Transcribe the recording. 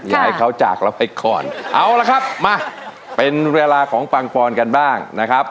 อยากให้เขาจากเราไปก่อนเอาละครับมาเป็นเวลาของปังปอนกันบ้างนะครับ